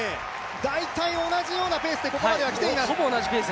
大体同じようなペースでここまできています。